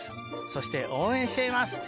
そして応援しています」。